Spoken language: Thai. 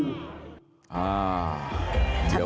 ชัดเจนนะ